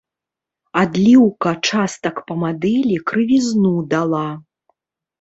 Адліўка частак па мадэлі крывізну дала.